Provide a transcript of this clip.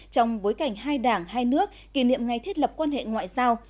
trong bối cảnh hai đảng hai nước kỷ niệm ngày thiết lập quan hệ ngoại giao